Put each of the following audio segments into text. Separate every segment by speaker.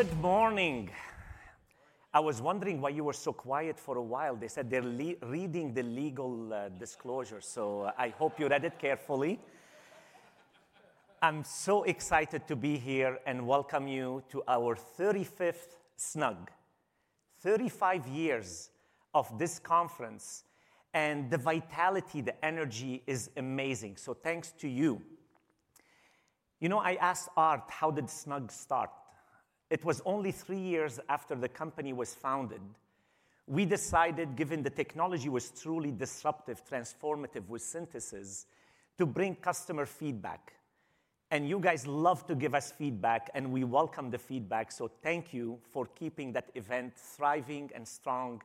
Speaker 1: Good morning. I was wondering why you were so quiet for a while. They said they're reading the legal disclosure, so I hope you read it carefully. I'm so excited to be here and Welcome you to our 35th SNUG. 35 years of this conference, and the vitality, the energy is amazing. Thanks to you. You know, I asked Aart, how did SNUG start? It was only three years after the company was founded. We decided, given the technology was truly disruptive, transformative with synthesis, to bring customer feedback. You guys love to give us feedback, and we welcome the feedback. Thank you for keeping that event thriving and strong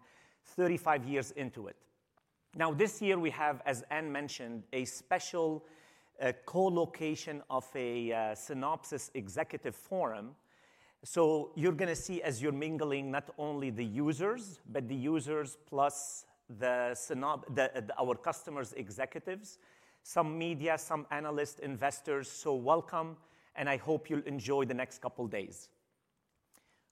Speaker 1: thirty-five years into it. This year we have, as Ann mentioned, a special co-location of a Synopsys Executive Forum. You're going to see, as you're mingling, not only the users, but the users plus our customers, executives, some media, some analysts, investors. Welcome, and I hope you'll enjoy the next couple of days.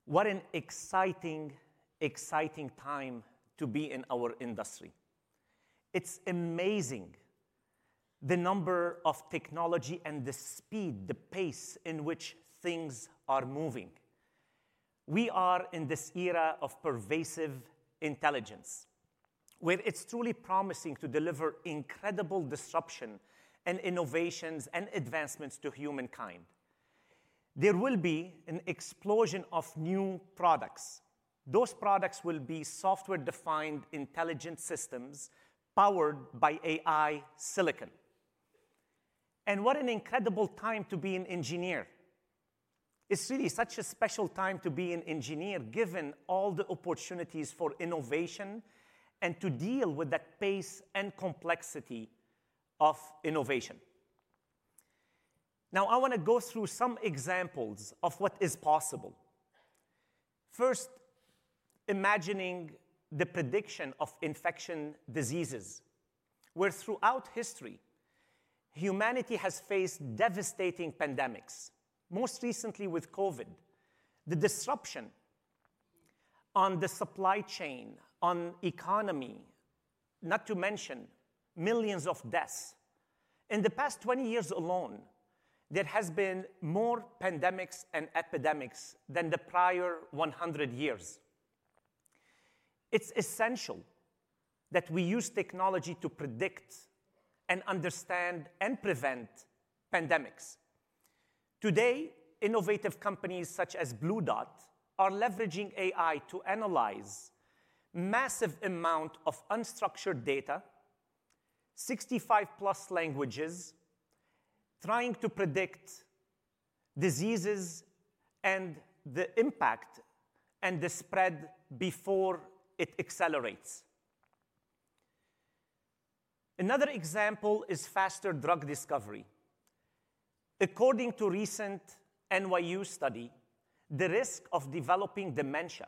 Speaker 1: What an exciting, exciting time to be in our industry. It's amazing, the number of technology and the speed, the pace in which things are moving. We are in this era of pervasive intelligence, where it's truly promising to deliver incredible disruption and innovations and advancements to humankind. There will be an explosion of new products. Those products will be software-defined intelligent systems powered by AI silicon. What an incredible time to be an engineer. It's really such a special time to be an engineer, given all the opportunities for innovation and to deal with that pace and complexity of innovation. Now, I want to go through some examples of what is possible. First, imagining the prediction of infectious diseases, where throughout history, humanity has faced devastating pandemics, most recently with COVID. The disruption on the supply chain, on the economy, not to mention millions of deaths. In the past 20 years alone, there have been more pandemics and epidemics than the prior 100 years. It's essential that we use technology to predict and understand and prevent pandemics. Today, innovative companies such as BlueDot are leveraging AI to analyze massive amounts of unstructured data, 65+ languages, trying to predict diseases and the impact and the spread before it accelerates. Another example is faster drug discovery. According to a recent NYU study, the risk of developing dementia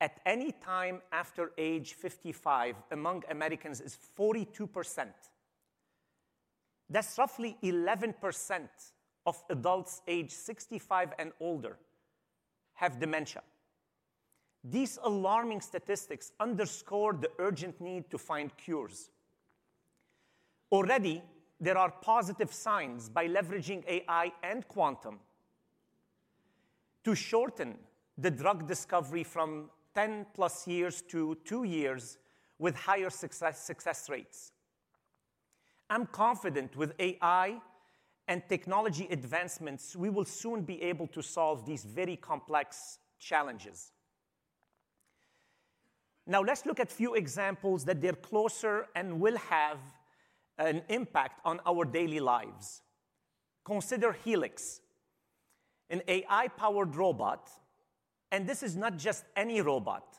Speaker 1: at any time after age 55 among Americans is 42%. That's roughly 11% of adults aged 65 and older who have dementia. These alarming statistics underscore the urgent need to find cures. Already, there are positive signs by leveraging AI and quantum to shorten the drug discovery from 10+ years to two years with higher success rates. I'm confident with AI and technology advancements, we will soon be able to solve these very complex challenges. Now, let's look at a few examples that are closer and will have an impact on our daily lives. Consider Helix, an AI-powered robot. This is not just any robot.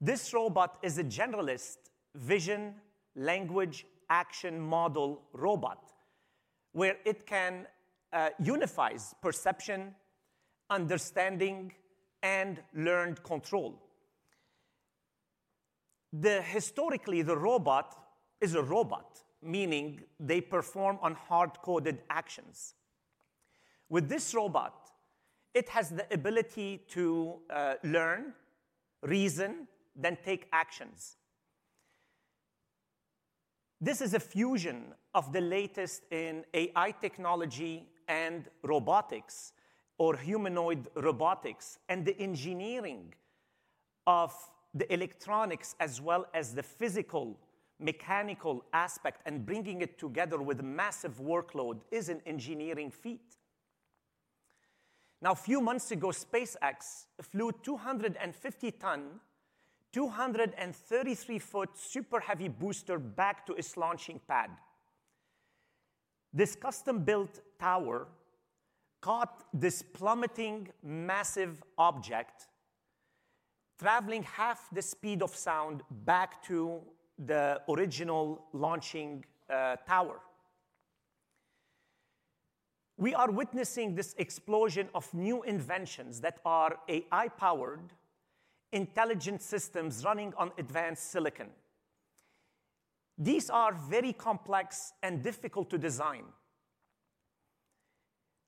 Speaker 1: This robot is a generalist vision, language, action, model robot, where it can unify perception, understanding, and learned control. Historically, the robot is a robot, meaning they perform on hard-coded actions. With this robot, it has the ability to learn, reason, then take actions. This is a fusion of the latest in AI technology and robotics, or humanoid robotics, and the engineering of the electronics, as well as the physical mechanical aspect, and bringing it together with a massive workload is an engineering feat. Now, a few months ago, SpaceX flew a 250-ton, 233-foot super heavy booster back to its launching pad. This custom-built tower caught this plummeting massive object, traveling half the speed of sound back to the original launching tower. We are witnessing this explosion of new inventions that are AI-powered intelligent systems running on advanced silicon. These are very complex and difficult to design.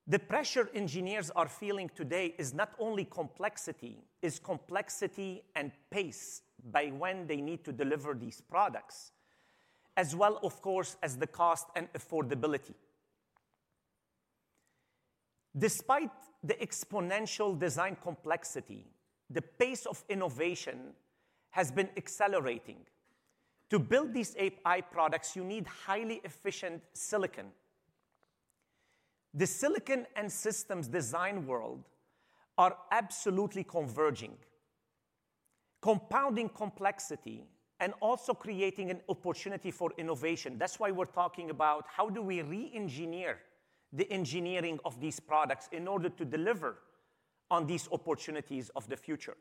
Speaker 1: The pressure engineers are feeling today is not only complexity; it's complexity and pace by when they need to deliver these products, as well, of course, as the cost and affordability. Despite the exponential design complexity, the pace of innovation has been accelerating. To build these AI products, you need highly efficient silicon. The silicon and systems design world are absolutely converging, compounding complexity and also creating an opportunity for innovation. That's why we're talking about how do we re-engineer the engineering of these products in order to deliver on these opportunities of the future.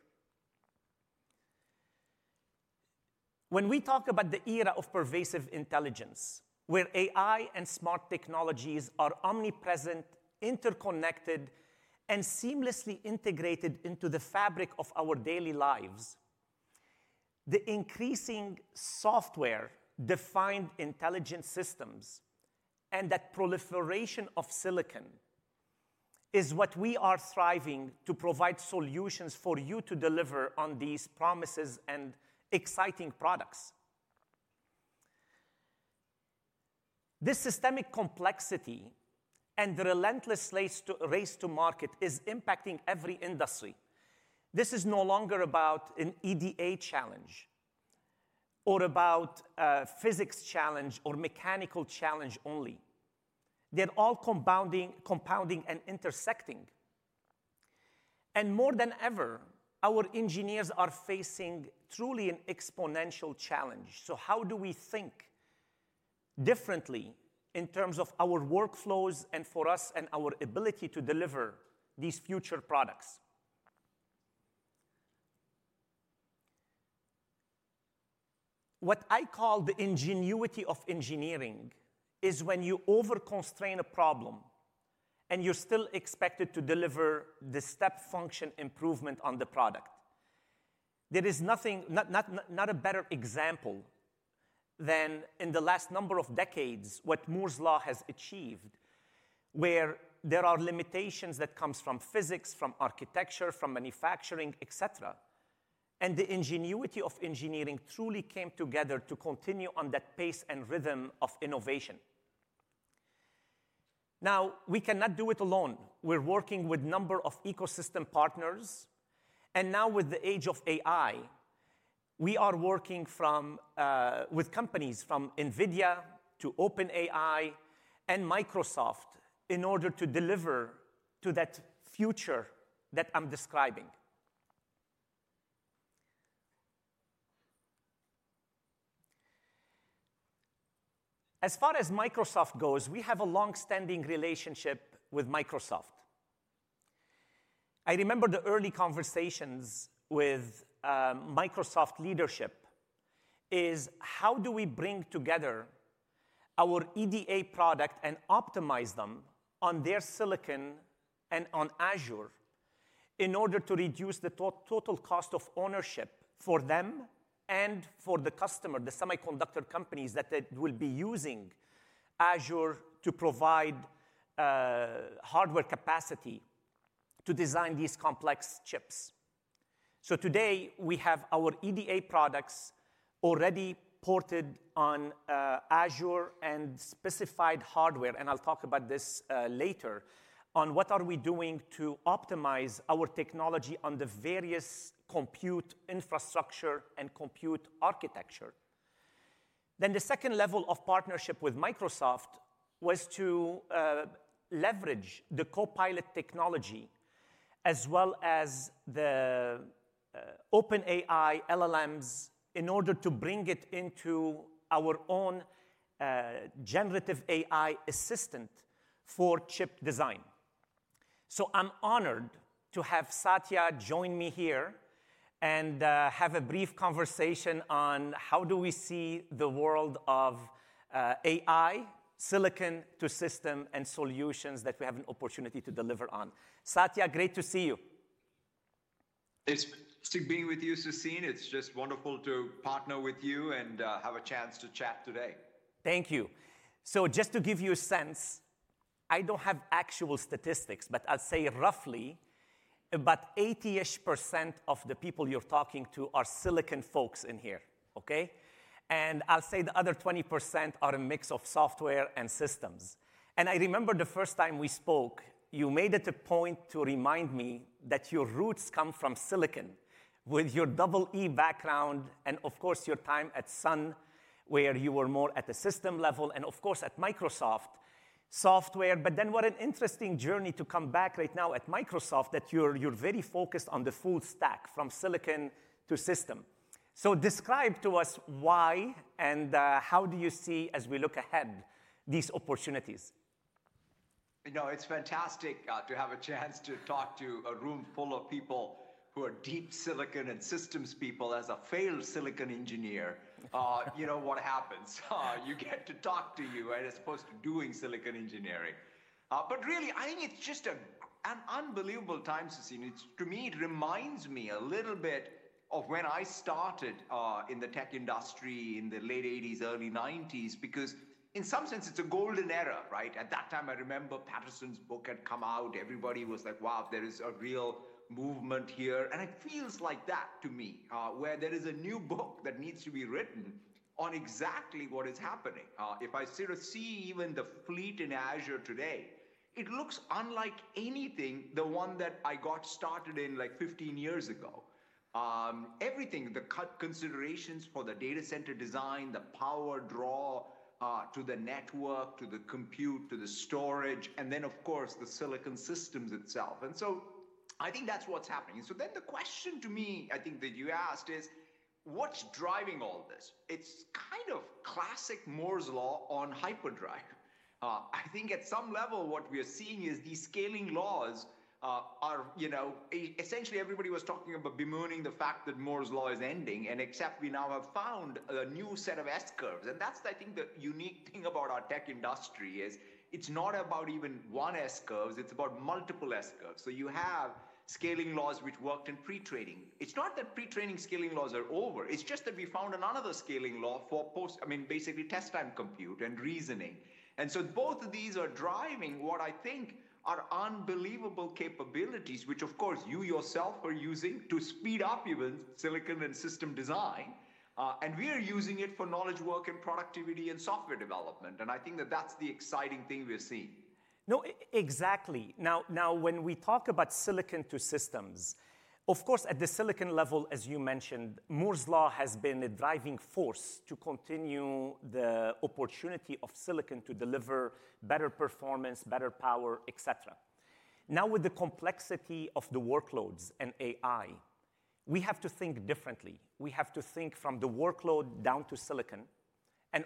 Speaker 1: When we talk about the era of pervasive intelligence, where AI and smart technologies are omnipresent, interconnected, and seamlessly integrated into the fabric of our daily lives, the increasing software-defined intelligent systems and that proliferation of silicon is what we are striving to provide solutions for you to deliver on these promises and exciting products. This systemic complexity and the relentless race to market is impacting every industry. This is no longer about an EDA challenge or about a physics challenge or mechanical challenge only. They're all compounding and intersecting. More than ever, our engineers are facing truly an exponential challenge. How do we think differently in terms of our workflows and for us and our ability to deliver these future products? What I call the ingenuity of engineering is when you overconstrain a problem and you're still expected to deliver the step function improvement on the product. There is not a better example than in the last number of decades what Moore's Law has achieved, where there are limitations that come from physics, from architecture, from manufacturing, et cetera. The ingenuity of engineering truly came together to continue on that pace and rhythm of innovation. Now, we cannot do it alone. We're working with a number of ecosystem partners. Now, with the age of AI, we are working with companies from NVIDIA to OpenAI and Microsoft in order to deliver to that future that I'm describing. As far as Microsoft goes, we have a longstanding relationship with Microsoft. I remember the early conversations with Microsoft leadership: how do we bring together our EDA product and optimize them on their silicon and on Azure in order to reduce the total cost of ownership for them and for the customer, the semiconductor companies that will be using Azure to provide hardware capacity to design these complex chips? Today, we have our EDA products already ported on Azure and specified hardware. I'll talk about this later on what we are doing to optimize our technology on the various compute infrastructure and compute architecture. The second level of partnership with Microsoft was to leverage the Copilot technology, as well as the OpenAI LLMs, in order to bring it into our own generative AI assistant for chip design. I am honored to have Satya join me here and have a brief conversation on how do we see the world of AI, silicon to system and solutions that we have an opportunity to deliver on. Satya, great to see you.
Speaker 2: It's fantastic being with you, Sassine. It's just wonderful to partner with you and have a chance to chat today.
Speaker 1: Thank you. Just to give you a sense, I don't have actual statistics, but I'll say roughly about 80% of the people you're talking to are silicon folks in here, OK? I'll say the other 20% are a mix of software and systems. I remember the first time we spoke, you made it a point to remind me that your roots come from silicon with your EE background and, of course, your time at Sun, where you were more at the system level and, of course, at Microsoft Software. What an interesting journey to come back right now at Microsoft that you're very focused on the full stack from silicon to system. Describe to us why and how do you see, as we look ahead, these opportunities?
Speaker 2: You know, it's fantastic to have a chance to talk to a room full of people who are deep silicon and systems people. As a failed silicon engineer, you know what happens. You get to talk to you as opposed to doing silicon engineering. Really, I think it's just an unbelievable time, Sassine. To me, it reminds me a little bit of when I started in the tech industry in the late 1980s, early 1990s, because in some sense, it's a golden era, right? At that time, I remember Patterson's book had come out. Everybody was like, wow, there is a real movement here. It feels like that to me, where there is a new book that needs to be written on exactly what is happening. If I sort of see even the fleet in Azure today, it looks unlike anything, the one that I got started in like 15 years ago. Everything, the considerations for the data center design, the power draw to the network, to the compute, to the storage, and then, of course, the silicon systems itself. I think that's what's happening. The question to me, I think, that you asked is, what's driving all this? It's kind of classic Moore's Law on hyperdrive. I think at some level, what we are seeing is these scaling laws are essentially everybody was talking about bemoaning the fact that Moore's Law is ending, except we now have found a new set of S curves. That's, I think, the unique thing about our tech industry is it's not about even one S curve. It's about multiple S curves. You have scaling laws which worked in pretraining. It's not that pretraining scaling laws are over. It's just that we found another scaling law for post, I mean, basically test time compute and reasoning. Both of these are driving what I think are unbelievable capabilities, which, of course, you yourself are using to speed up even silicon and system design. We are using it for knowledge work and productivity and software development. I think that that's the exciting thing we're seeing.
Speaker 1: No, exactly. Now, when we talk about silicon to systems, of course, at the silicon level, as you mentioned, Moore's Law has been a driving force to continue the opportunity of silicon to deliver better performance, better power, et cetera. Now, with the complexity of the workloads and AI, we have to think differently. We have to think from the workload down to silicon.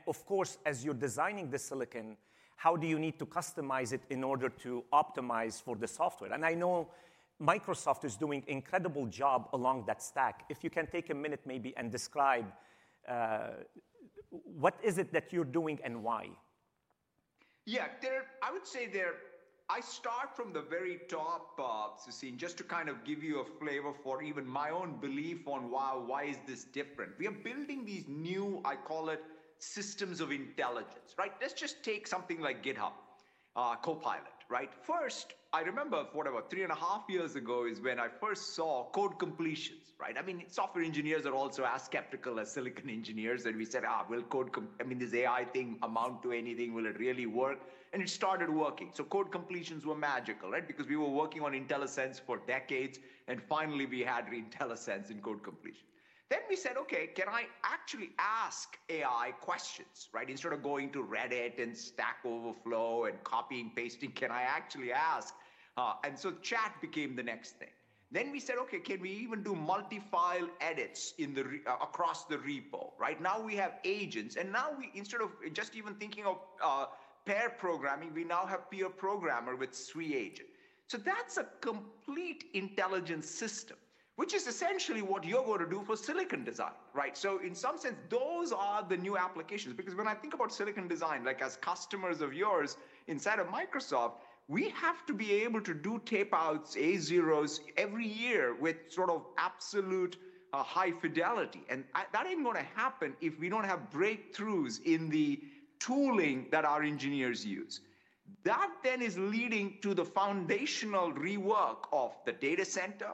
Speaker 1: Of course, as you're designing the silicon, how do you need to customize it in order to optimize for the software? I know Microsoft is doing an incredible job along that stack. If you can take a minute, maybe, and describe what is it that you're doing and why.
Speaker 2: Yeah, I would say I start from the very top, Sassine, just to kind of give you a flavor for even my own belief on why is this different. We are building these new, I call it, systems of intelligence, right? Let's just take something like GitHub Copilot, right? First, I remember what about three and a half years ago is when I first saw code completions, right? I mean, software engineers are also as skeptical as silicon engineers. We said, will code, I mean, this AI thing amount to anything? Will it really work? It started working. Code completions were magical, right? Because we were working on IntelliSense for decades. Finally, we had IntelliSense in code completion. We said, OK, can I actually ask AI questions, right? Instead of going to Reddit and Stack Overflow and copying and pasting, can I actually ask? Chat became the next thing. Then we said, OK, can we even do multi-file edits across the repo? Right now, we have agents. Now, instead of just even thinking of pair programming, we now have Peer Programmer with SWE Agent. That is a complete intelligent system, which is essentially what you are going to do for silicon design, right? In some sense, those are the new applications. Because when I think about silicon design, like as customers of yours inside of Microsoft, we have to be able to do tapeouts, A0s every year with sort of absolute high fidelity. That is not going to happen if we do not have breakthroughs in the tooling that our engineers use. That is leading to the foundational rework of the data center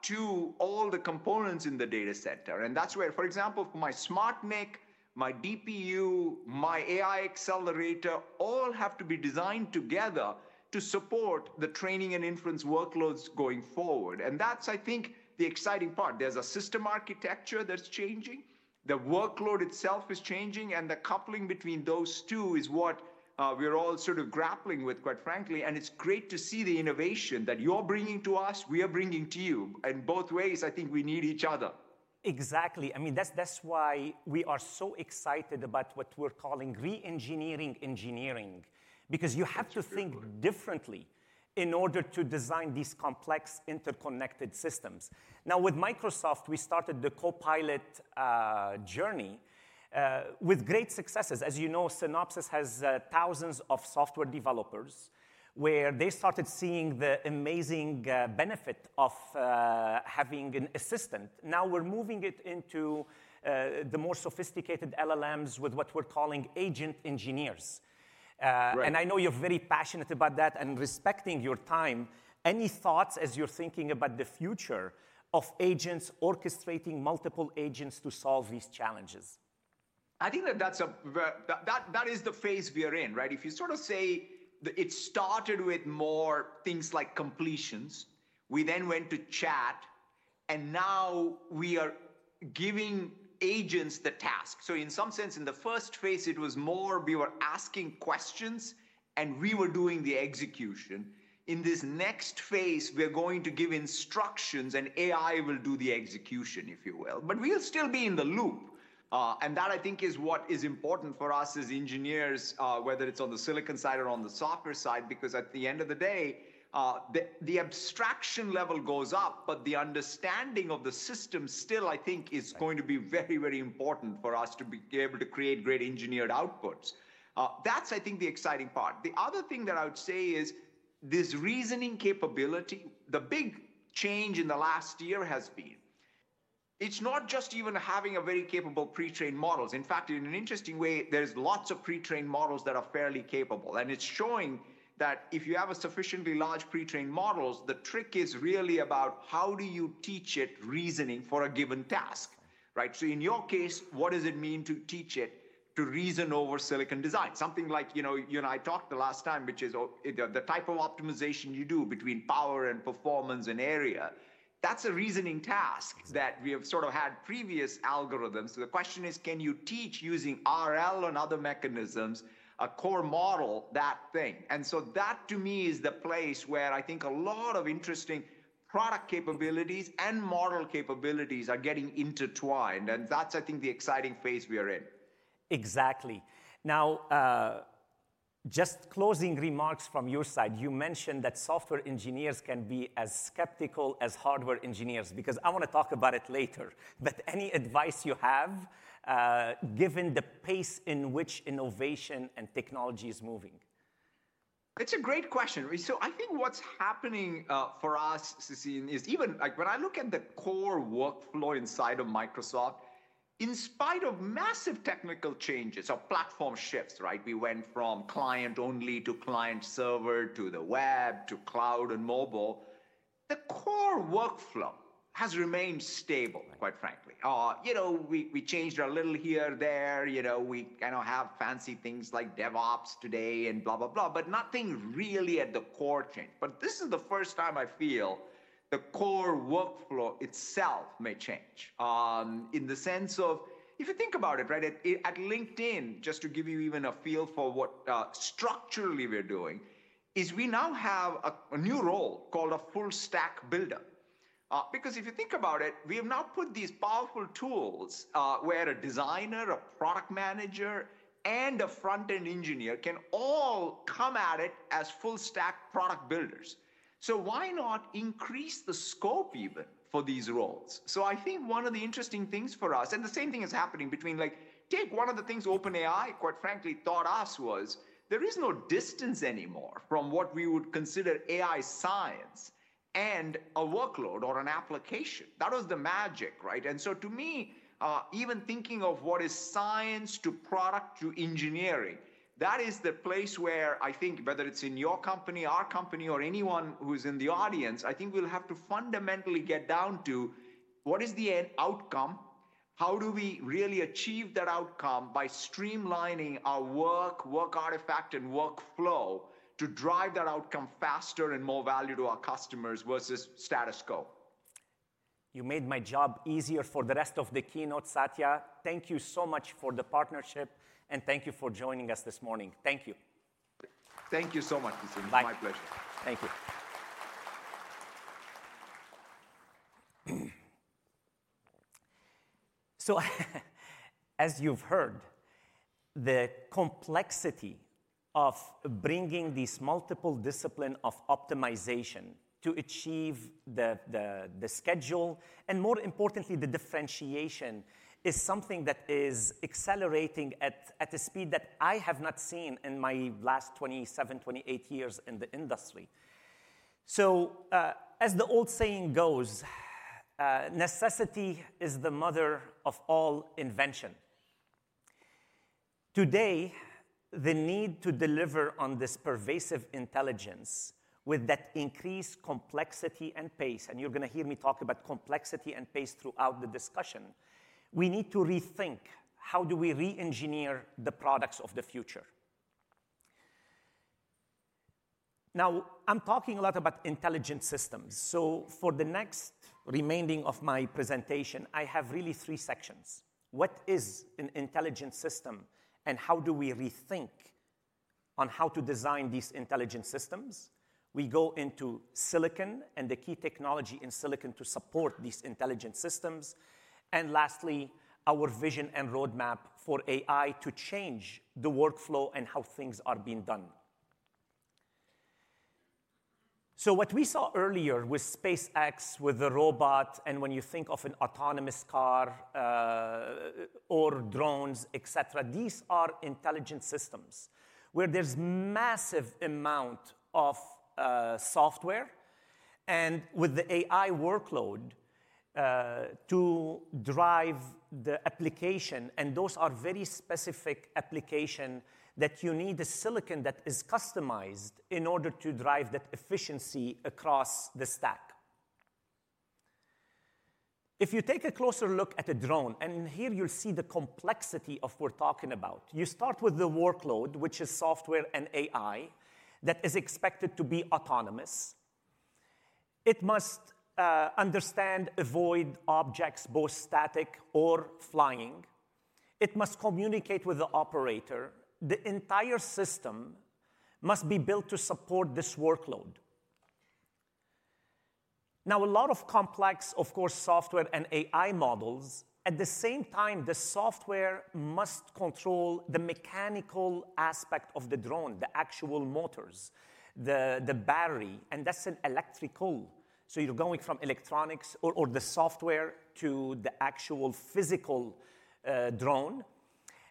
Speaker 2: to all the components in the data center. That is where, for example, my SmartNIC, my DPU, my AI accelerator all have to be designed together to support the training and inference workloads going forward. That is, I think, the exciting part. There is a system architecture that is changing. The workload itself is changing. The coupling between those two is what we are all sort of grappling with, quite frankly. It is great to see the innovation that you are bringing to us, we are bringing to you. Both ways, I think we need each other.
Speaker 1: Exactly. I mean, that's why we are so excited about what we're calling re-engineering engineering, because you have to think differently in order to design these complex interconnected systems. Now, with Microsoft, we started the Copilot journey with great successes. As you know, Synopsys has thousands of software developers where they started seeing the amazing benefit of having an assistant. Now, we're moving it into the more sophisticated LLMs with what we're calling agent engineers. I know you're very passionate about that and respecting your time. Any thoughts as you're thinking about the future of agents orchestrating multiple agents to solve these challenges?
Speaker 2: I think that that is the phase we are in, right? If you sort of say it started with more things like completions. We then went to chat. Now, we are giving agents the task. In some sense, in the first phase, it was more we were asking questions, and we were doing the execution. In this next phase, we're going to give instructions, and AI will do the execution, if you will. We'll still be in the loop. That, I think, is what is important for us as engineers, whether it's on the silicon side or on the software side, because at the end of the day, the abstraction level goes up, but the understanding of the system still, I think, is going to be very, very important for us to be able to create great engineered outputs. That's, I think, the exciting part. The other thing that I would say is this reasoning capability. The big change in the last year has been it's not just even having very capable pre-trained models. In fact, in an interesting way, there's lots of pre-trained models that are fairly capable. It's showing that if you have sufficiently large pre-trained models, the trick is really about how do you teach it reasoning for a given task, right? In your case, what does it mean to teach it to reason over silicon design? Something like you and I talked the last time, which is the type of optimization you do between power and performance and area. That's a reasoning task that we have sort of had previous algorithms. The question is, can you teach using RL and other mechanisms a core model that thing? That, to me, is the place where I think a lot of interesting product capabilities and model capabilities are getting intertwined. That is, I think, the exciting phase we are in.
Speaker 1: Exactly. Now, just closing remarks from your side, you mentioned that software engineers can be as skeptical as hardware engineers, because I want to talk about it later. Any advice you have, given the pace in which innovation and technology is moving?
Speaker 2: It's a great question. I think what's happening for us, Sassine, is even when I look at the core workflow inside of Microsoft, in spite of massive technical changes or platform shifts, right? We went from client-only to client-server to the web to cloud and mobile. The core workflow has remained stable, quite frankly. We changed a little here or there. We have fancy things like DevOps today and blah, blah, blah, but nothing really at the core changed. This is the first time I feel the core workflow itself may change in the sense of if you think about it, right? At LinkedIn, just to give you even a feel for what structurally we're doing, we now have a new role called a full stack builder. Because if you think about it, we have now put these powerful tools where a designer, a product manager, and a front-end engineer can all come at it as full stack product builders. Why not increase the scope even for these roles? I think one of the interesting things for us, and the same thing is happening between take one of the things OpenAI, quite frankly, taught us was there is no distance anymore from what we would consider AI science and a workload or an application. That was the magic, right? To me, even thinking of what is science to product to engineering, that is the place where I think, whether it's in your company, our company, or anyone who's in the audience, I think we'll have to fundamentally get down to what is the end outcome? How do we really achieve that outcome by streamlining our work, work artifact, and workflow to drive that outcome faster and more value to our customers versus status quo?
Speaker 1: You made my job easier for the rest of the keynote, Satya. Thank you so much for the partnership, and thank you for joining us this morning. Thank you.
Speaker 2: Thank you so much, Sassine. It's my pleasure.
Speaker 1: Thank you. As you've heard, the complexity of bringing these multiple disciplines of optimization to achieve the schedule and, more importantly, the differentiation is something that is accelerating at a speed that I have not seen in my last 27, 28 years in the industry. As the old saying goes, necessity is the mother of all invention. Today, the need to deliver on this pervasive intelligence with that increased complexity and pace, and you're going to hear me talk about complexity and pace throughout the discussion, we need to rethink how do we re-engineer the products of the future. Now, I'm talking a lot about intelligent systems. For the next remaining of my presentation, I have really three sections. What is an intelligent system and how do we rethink on how to design these intelligent systems? We go into silicon and the key technology in silicon to support these intelligent systems. Lastly, our vision and roadmap for AI to change the workflow and how things are being done. What we saw earlier with SpaceX, with the robot, and when you think of an autonomous car or drones, et cetera, these are intelligent systems where there's a massive amount of software and with the AI workload to drive the application. Those are very specific applications that you need a silicon that is customized in order to drive that efficiency across the stack. If you take a closer look at a drone, and here you'll see the complexity of what we're talking about, you start with the workload, which is software and AI that is expected to be autonomous. It must understand, avoid objects, both static or flying. It must communicate with the operator. The entire system must be built to support this workload. Now, a lot of complex, of course, software and AI models. At the same time, the software must control the mechanical aspect of the drone, the actual motors, the battery. And that's an electrical. You are going from electronics or the software to the actual physical drone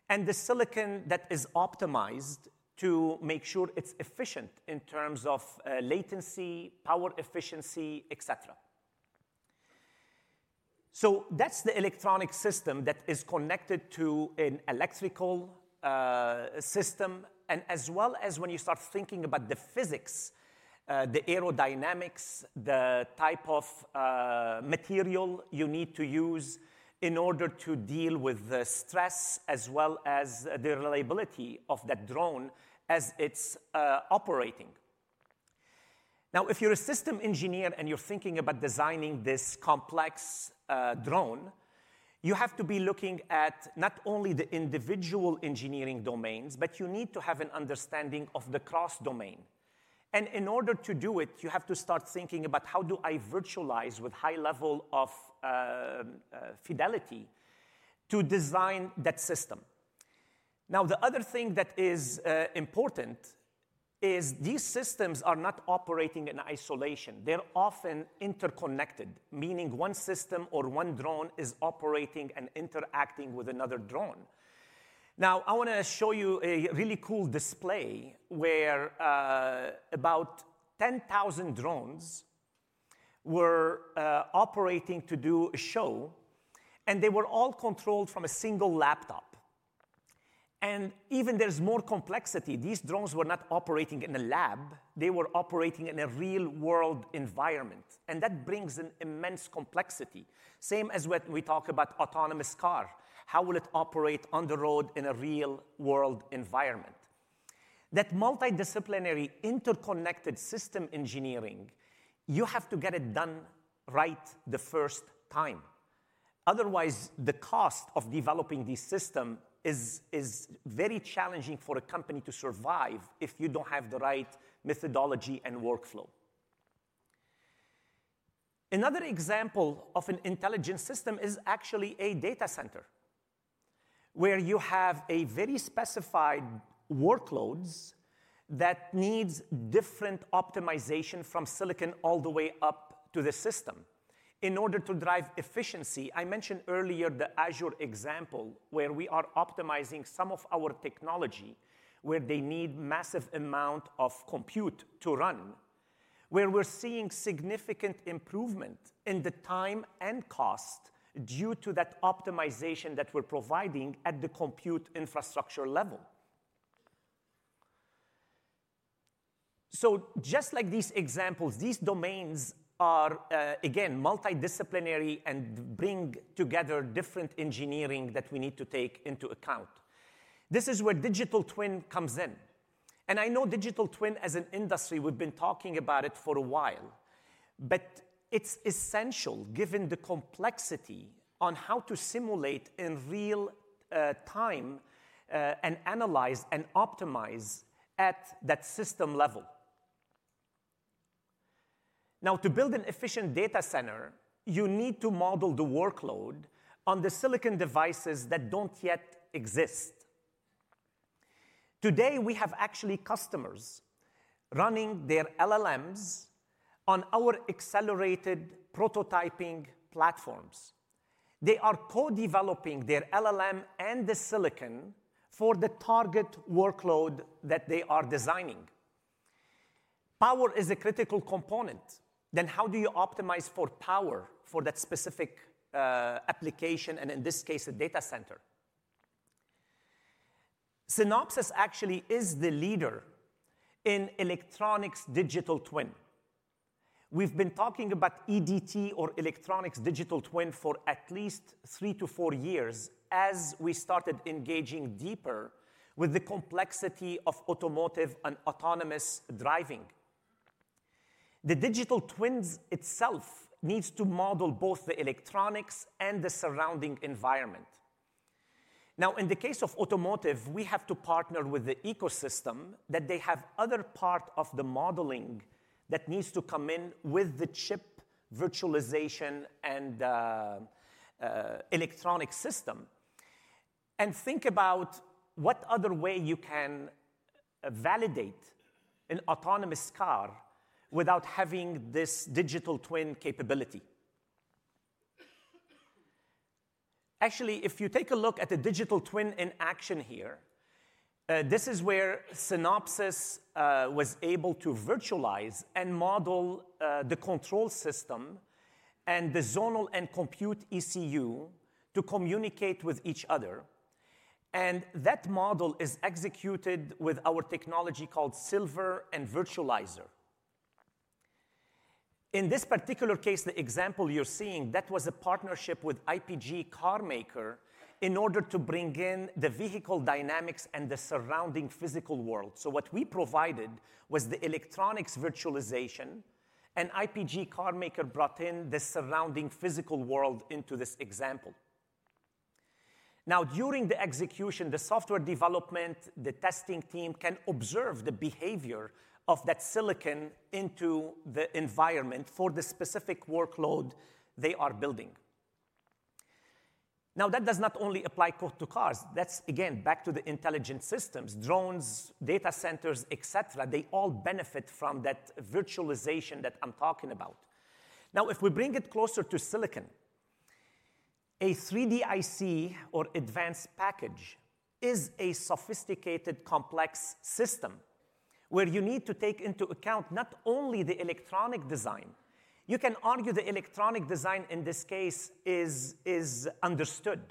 Speaker 1: and the silicon that is optimized to make sure it's efficient in terms of latency, power efficiency, et cetera. That is the electronic system that is connected to an electrical system. As well as when you start thinking about the physics, the aerodynamics, the type of material you need to use in order to deal with the stress as well as the reliability of that drone as it's operating. Now, if you're a system engineer and you're thinking about designing this complex drone, you have to be looking at not only the individual engineering domains, but you need to have an understanding of the cross-domain. In order to do it, you have to start thinking about how do I virtualize with high level of fidelity to design that system. The other thing that is important is these systems are not operating in isolation. They're often interconnected, meaning one system or one drone is operating and interacting with another drone. I want to show you a really cool display where about 10,000 drones were operating to do a show, and they were all controlled from a single laptop. Even there's more complexity. These drones were not operating in a lab. They were operating in a real-world environment. That brings an immense complexity, same as when we talk about autonomous car. How will it operate on the road in a real-world environment? That multidisciplinary interconnected system engineering, you have to get it done right the first time. Otherwise, the cost of developing these systems is very challenging for a company to survive if you do not have the right methodology and workflow. Another example of an intelligent system is actually a data center where you have very specified workloads that need different optimization from silicon all the way up to the system in order to drive efficiency. I mentioned earlier the Azure example where we are optimizing some of our technology where they need a massive amount of compute to run, where we are seeing significant improvement in the time and cost due to that optimization that we are providing at the compute infrastructure level. Just like these examples, these domains are, again, multidisciplinary and bring together different engineering that we need to take into account. This is where digital twin comes in. I know digital twin as an industry, we've been talking about it for a while. It is essential given the complexity on how to simulate in real time and analyze and optimize at that system level. Now, to build an efficient data center, you need to model the workload on the silicon devices that do not yet exist. Today, we have actually customers running their LLMs on our accelerated prototyping platforms. They are co-developing their LLM and the silicon for the target workload that they are designing. Power is a critical component. How do you optimize for power for that specific application and, in this case, a data center? Synopsys actually is the leader in Electronics Digital Twin. We've been talking about EDT or Electronics Digital Twin for at least three to four years as we started engaging deeper with the complexity of automotive and autonomous driving. The digital twin itself needs to model both the electronics and the surrounding environment. Now, in the case of automotive, we have to partner with the ecosystem that they have other parts of the modeling that need to come in with the chip virtualization and electronic system. Think about what other way you can validate an autonomous car without having this digital twin capability. Actually, if you take a look at the digital twin in action here, this is where Synopsys was able to virtualize and model the control system and the zonal and compute ECU to communicate with each other. That model is executed with our technology called Silver and Virtualizer. In this particular case, the example you're seeing, that was a partnership with IPG Automotive in order to bring in the vehicle dynamics and the surrounding physical world. What we provided was the electronics virtualization, and IPG Automotive brought in the surrounding physical world into this example. Now, during the execution, the software development, the testing team can observe the behavior of that silicon into the environment for the specific workload they are building. That does not only apply to cars. That's, again, back to the intelligent systems, drones, data centers, et cetera. They all benefit from that virtualization that I'm talking about. If we bring it closer to silicon, a 3D IC or advanced package is a sophisticated, complex system where you need to take into account not only the electronic design. You can argue the electronic design in this case is understood.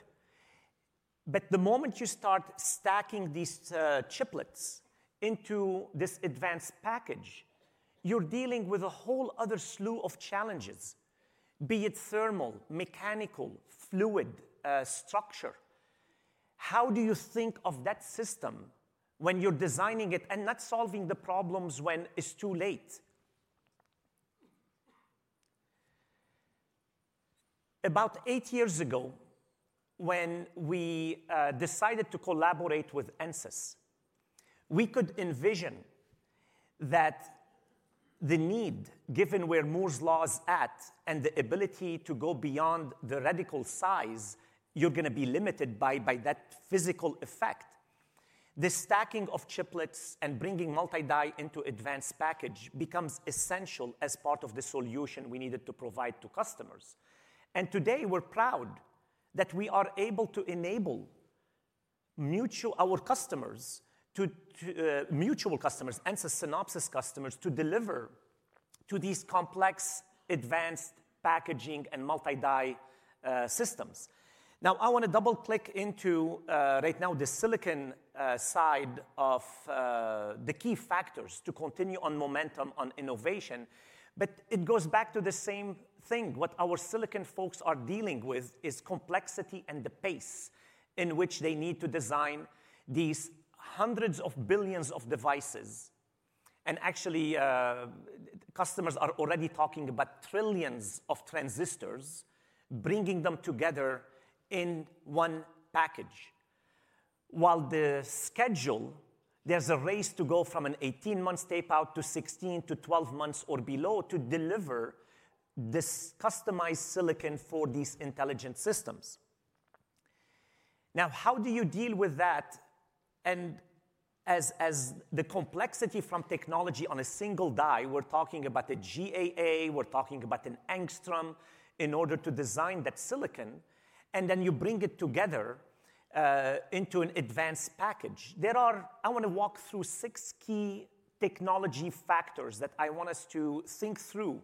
Speaker 1: The moment you start stacking these chiplets into this advanced package, you're dealing with a whole other slew of challenges, be it thermal, mechanical, fluid structure. How do you think of that system when you're designing it and not solving the problems when it's too late? About eight years ago, when we decided to collaborate with Ansys, we could envision that the need given where Moore's Law is at and the ability to go beyond the radical size, you're going to be limited by that physical effect. The stacking of chiplets and bringing multi-die into advanced package becomes essential as part of the solution we needed to provide to customers. Today, we're proud that we are able to enable our customers, Ansys Synopsys customers, to deliver to these complex, advanced packaging and multi-die systems. Now, I want to double-click into right now the silicon side of the key factors to continue on momentum on innovation. It goes back to the same thing. What our silicon folks are dealing with is complexity and the pace in which they need to design these hundreds of billions of devices. Actually, customers are already talking about trillions of transistors bringing them together in one package. While the schedule, there's a race to go from an 18-month tape out to 16 to 12 months or below to deliver this customized silicon for these intelligent systems. How do you deal with that? As the complexity from technology on a single die, we're talking about a GAA, we're talking about an angstrom in order to design that silicon. Then you bring it together into an advanced package. I want to walk through six key technology factors that I want us to think through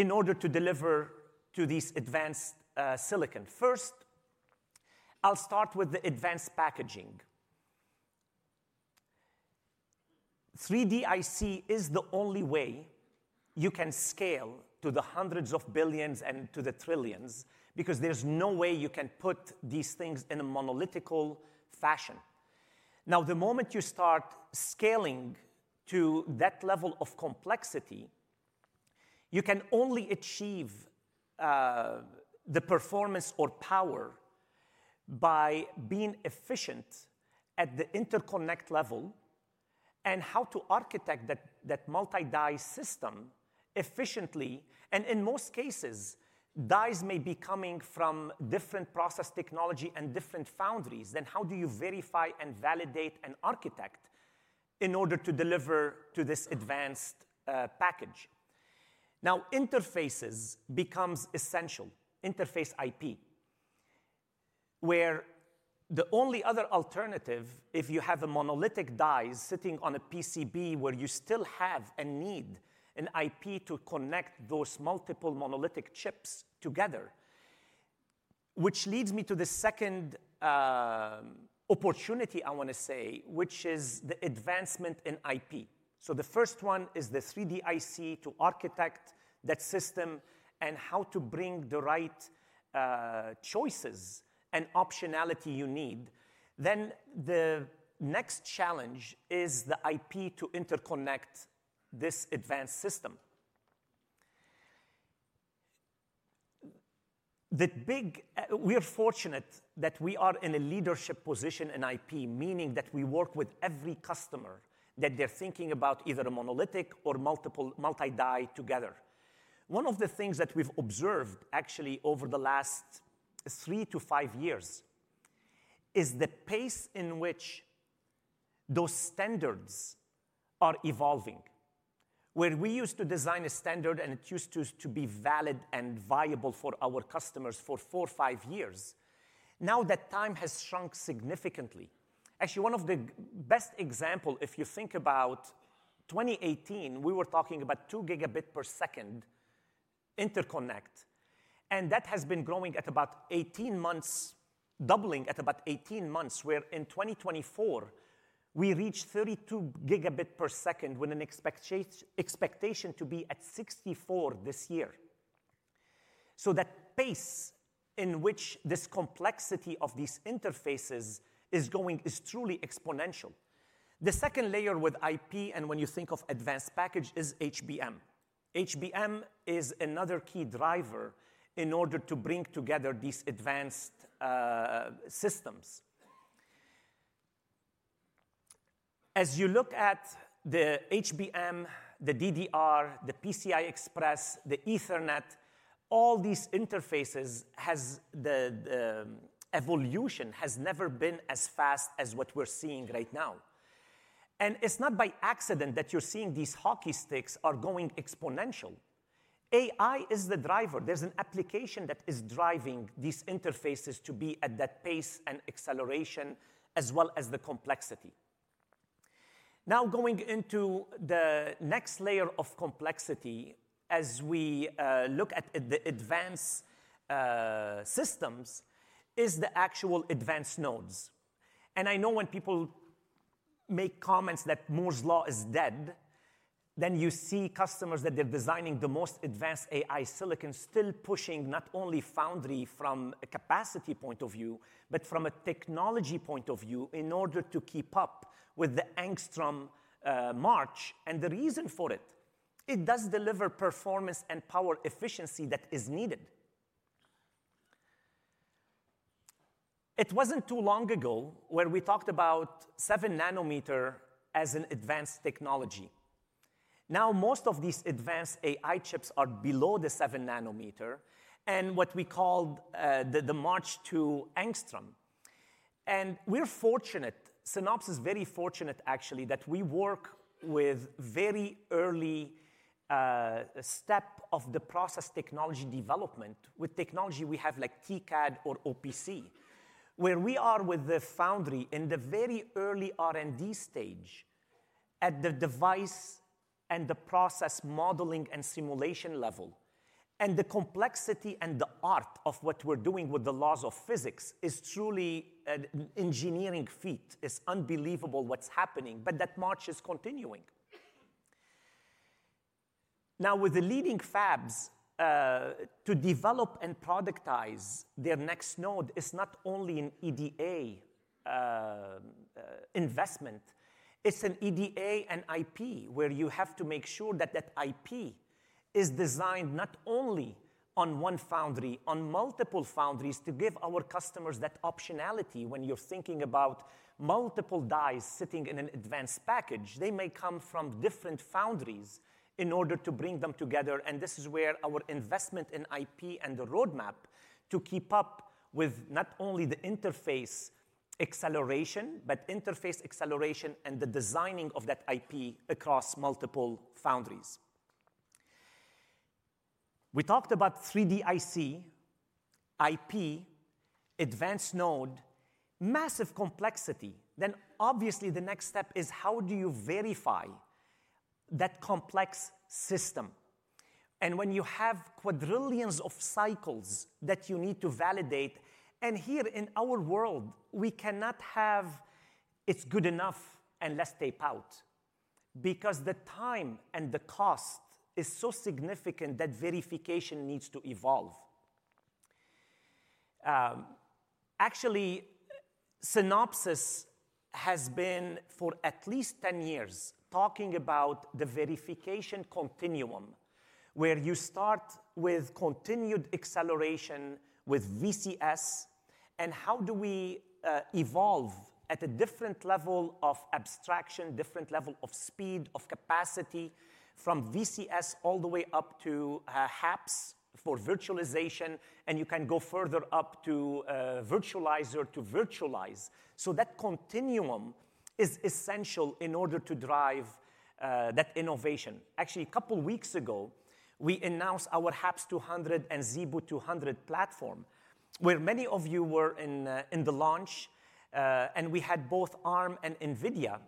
Speaker 1: in order to deliver to these advanced silicon. First, I'll start with the advanced packaging. 3D IC is the only way you can scale to the hundreds of billions and to the trillions because there's no way you can put these things in a monolithic fashion. Now, the moment you start scaling to that level of complexity, you can only achieve the performance or power by being efficient at the interconnect level and how to architect that multi-die system efficiently. In most cases, dies may be coming from different process technology and different foundries. How do you verify and validate and architect in order to deliver to this advanced package? Now, interfaces become essential, interface IP, where the only other alternative if you have a monolithic die sitting on a PCB where you still have and need an IP to connect those multiple monolithic chips together, which leads me to the second opportunity I want to say, which is the advancement in IP. The first one is the 3D IC to architect that system and how to bring the right choices and optionality you need. The next challenge is the IP to interconnect this advanced system. We are fortunate that we are in a leadership position in IP, meaning that we work with every customer that they're thinking about either a monolithic or multi-die together. One of the things that we've observed actually over the last three to five years is the pace in which those standards are evolving. Where we used to design a standard and it used to be valid and viable for our customers for four, five years, now that time has shrunk significantly. Actually, one of the best examples, if you think about 2018, we were talking about 2 Gb per second interconnect. That has been growing at about 18 months, doubling at about 18 months, where in 2024, we reached 32 Gb per second with an expectation to be at 64 this year. That pace in which this complexity of these interfaces is going is truly exponential. The second layer with IP and when you think of advanced package is HBM. HBM is another key driver in order to bring together these advanced systems. As you look at the HBM, the DDR, the PCI Express, the Ethernet, all these interfaces, the evolution has never been as fast as what we're seeing right now. It is not by accident that you're seeing these hockey sticks are going exponential. AI is the driver. There's an application that is driving these interfaces to be at that pace and acceleration as well as the complexity. Now, going into the next layer of complexity as we look at the advanced systems is the actual advanced nodes. I know when people make comments that Moore's Law is dead, then you see customers that they're designing the most advanced AI silicon still pushing not only foundry from a capacity point of view, but from a technology point of view in order to keep up with the angstrom march. The reason for it, it does deliver performance and power efficiency that is needed. It was not too long ago where we talked about 7 nanometer as an advanced technology. Now, most of these advanced AI chips are below the 7 nanometer and what we called the March to angstrom. We are fortunate, Synopsys is very fortunate actually, that we work with very early step of the process technology development with technology we have like TCAD or OPC, where we are with the foundry in the very early R&D stage at the device and the process modeling and simulation level. The complexity and the art of what we are doing with the laws of physics is truly an engineering feat. It is unbelievable what is happening. That March is continuing. Now, with the leading fabs to develop and productize their next node, it is not only an EDA investment. It's an EDA and IP where you have to make sure that that IP is designed not only on one foundry, on multiple foundries to give our customers that optionality when you're thinking about multiple dies sitting in an advanced package. They may come from different foundries in order to bring them together. This is where our investment in IP and the roadmap to keep up with not only the interface acceleration, but interface acceleration and the designing of that IP across multiple foundries. We talked about 3D IC, IP, advanced node, massive complexity. Obviously the next step is how do you verify that complex system? When you have quadrillions of cycles that you need to validate, and here in our world, we cannot have it's good enough unless tape out because the time and the cost is so significant that verification needs to evolve. Actually, Synopsys has been for at least 10 years talking about the verification continuum where you start with continued acceleration with VCS and how do we evolve at a different level of abstraction, different level of speed of capacity from VCS all the way up to HAPS for virtualization. You can go further up to Virtualizer to virtualize. That continuum is essential in order to drive that innovation. Actually, a couple of weeks ago, we announced our HAPS 200 and ZeBu 200 platform where many of you were in the launch. We had both Arm and NVIDIA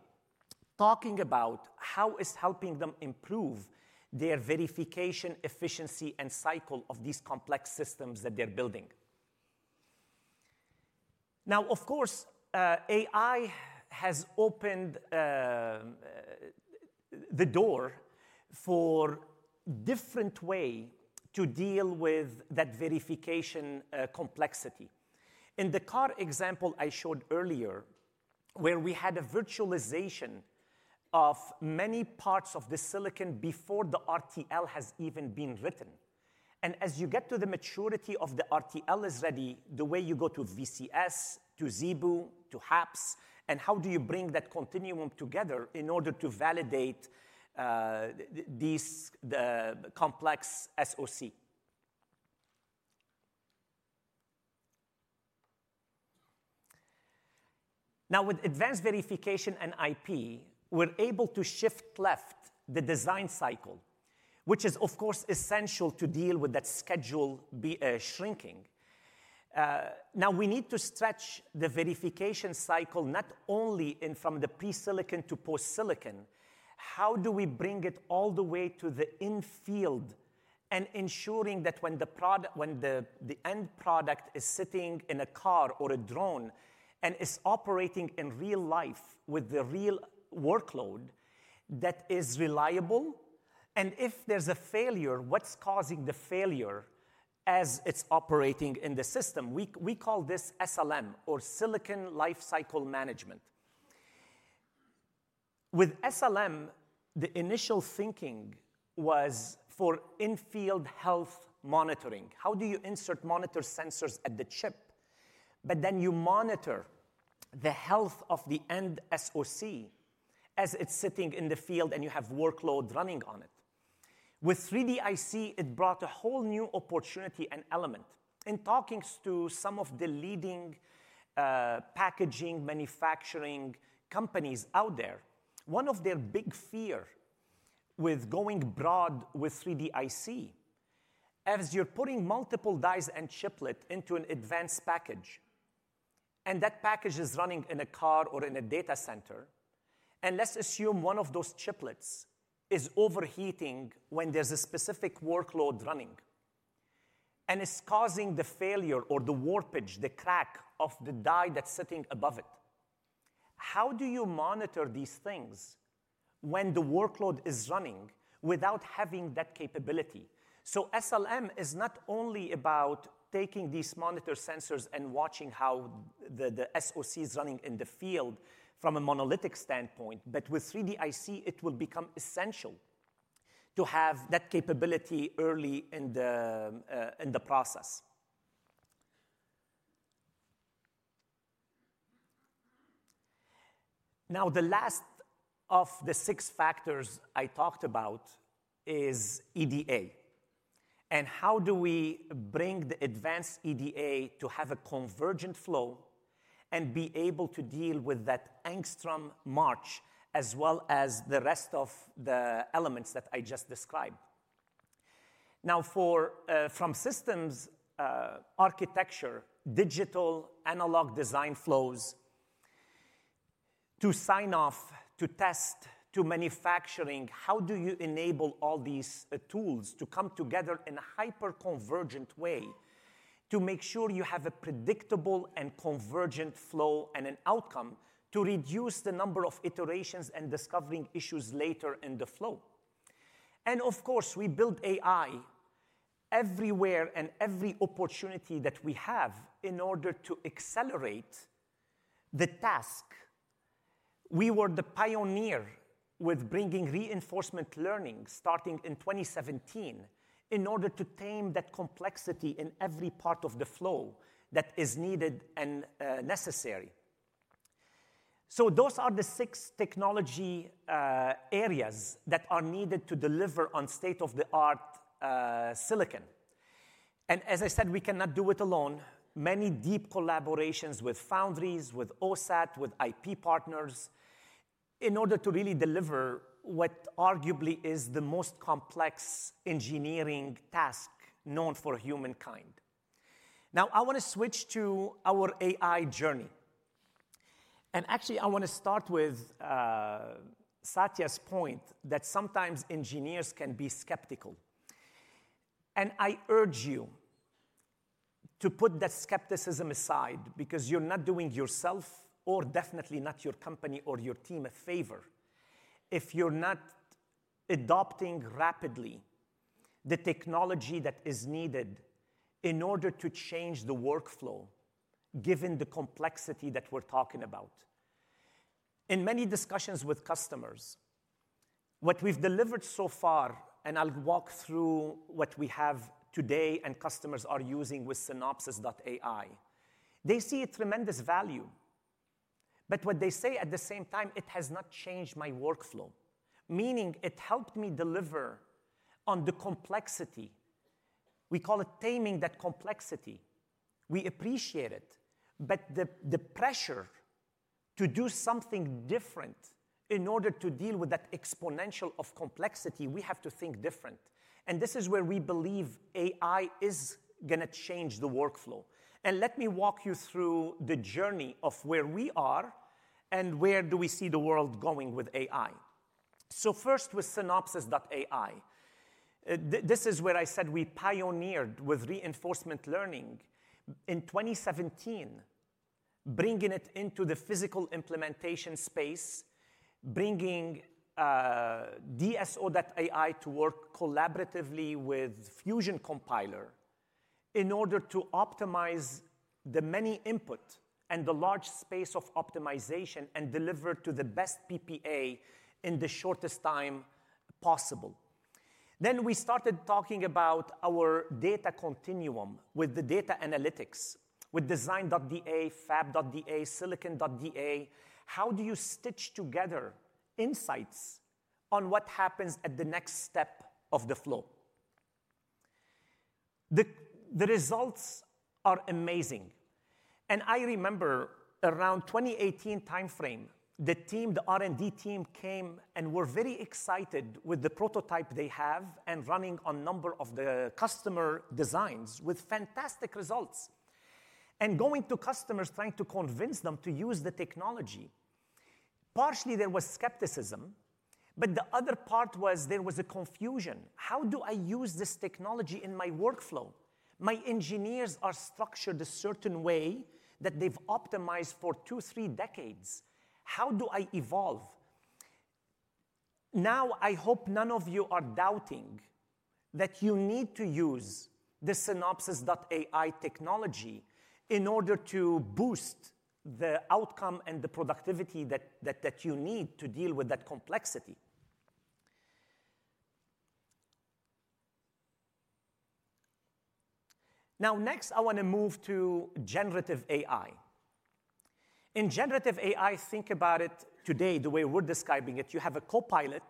Speaker 1: talking about how it's helping them improve their verification efficiency and cycle of these complex systems that they're building. Now, of course, AI has opened the door for a different way to deal with that verification complexity. In the car example I showed earlier where we had a virtualization of many parts of the silicon before the RTL has even been written. As you get to the maturity of the RTL is ready, the way you go to VCS, to ZeBu, to HAPS, and how do you bring that continuum together in order to validate the complex SOC? Now, with advanced verification and IP, we're able to shift left the design cycle, which is, of course, essential to deal with that schedule shrinking. Now, we need to stretch the verification cycle not only from the pre-silicon to post-silicon. How do we bring it all the way to the infield and ensuring that when the end product is sitting in a car or a drone and is operating in real life with the real workload that is reliable? If there's a failure, what's causing the failure as it's operating in the system? We call this SLM or Silicon Lifecycle Management. With SLM, the initial thinking was for infield health monitoring. How do you insert monitor sensors at the chip? You monitor the health of the end SOC as it's sitting in the field and you have workload running on it. With 3D IC, it brought a whole new opportunity and element. In talking to some of the leading packaging manufacturing companies out there, one of their big fears with going broad with 3D IC is you're putting multiple dies and chiplets into an advanced package. That package is running in a car or in a data center. Let's assume one of those chiplets is overheating when there's a specific workload running and is causing the failure or the warpage, the crack of the die that's sitting above it. How do you monitor these things when the workload is running without having that capability? SLM is not only about taking these monitor sensors and watching how the SOC is running in the field from a monolithic standpoint, but with 3D IC, it will become essential to have that capability early in the process. Now, the last of the six factors I talked about is EDA. How do we bring the advanced EDA to have a convergent flow and be able to deal with that angstrom march as well as the rest of the elements that I just described? Now, from systems architecture, digital analog design flows to sign off to test to manufacturing, how do you enable all these tools to come together in a hyper-convergent way to make sure you have a predictable and convergent flow and an outcome to reduce the number of iterations and discovering issues later in the flow? Of course, we build AI everywhere and every opportunity that we have in order to accelerate the task. We were the pioneer with bringing reinforcement learning starting in 2017 in order to tame that complexity in every part of the flow that is needed and necessary. Those are the six technology areas that are needed to deliver on state-of-the-art silicon. As I said, we cannot do it alone. Many deep collaborations with foundries, with OSAT, with IP partners in order to really deliver what arguably is the most complex engineering task known for humankind. Now, I want to switch to our AI journey. Actually, I want to start with Satya's point that sometimes engineers can be skeptical. I urge you to put that skepticism aside because you're not doing yourself or definitely not your company or your team a favor if you're not adopting rapidly the technology that is needed in order to change the workflow given the complexity that we're talking about. In many discussions with customers, what we've delivered so far, and I'll walk through what we have today and customers are using with Synopsys.ai, they see a tremendous value. What they say at the same time, it has not changed my workflow, meaning it helped me deliver on the complexity. We call it taming that complexity. We appreciate it. The pressure to do something different in order to deal with that exponential of complexity, we have to think different. This is where we believe AI is going to change the workflow. Let me walk you through the journey of where we are and where do we see the world going with AI. First with Synopsys.ai, this is where I said we pioneered with reinforcement learning in 2017, bringing it into the physical implementation space, bringing DSO.ai to work collaboratively with Fusion Compiler in order to optimize the many inputs and the large space of optimization and deliver to the best PPA in the shortest time possible. We started talking about our data continuum with the data analytics with Design.da, Fab.da, Silicon.da. How do you stitch together insights on what happens at the next step of the flow? The results are amazing. I remember around the 2018 timeframe, the team, the R&D team came and were very excited with the prototype they have and running on a number of the customer designs with fantastic results and going to customers trying to convince them to use the technology. Partially, there was skepticism, but the other part was there was a confusion. How do I use this technology in my workflow? My engineers are structured a certain way that they've optimized for two, three decades. How do I evolve? Now, I hope none of you are doubting that you need to use the Synopsys.ai technology in order to boost the outcome and the productivity that you need to deal with that complexity. Now, next, I want to move to generative AI. In generative AI, think about it today the way we're describing it. You have a copilot